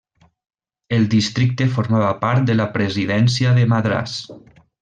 El districte formava part de la presidència de Madràs.